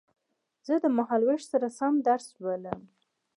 زه د مهال وېش سره سم درس لولم